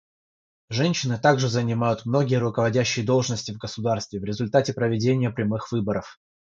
Женщины также занимают многие руководящие должности в государстве в результате проведения прямых выборов.